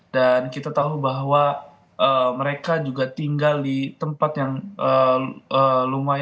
dan kita tahu bahwa mereka juga tinggal di tempat yang luar biasa